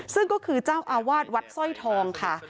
ซึ่งก็คือเจ้าอาวาสวัดสร้อยทองค่ะ